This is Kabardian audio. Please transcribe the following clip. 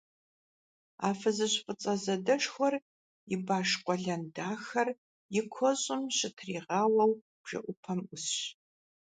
А фызыжь фӏыцӏэ задэшхуэр и баш къуэлэн дахэр и куэщӏым щытригъауэу бжэӏупэм ӏусщ.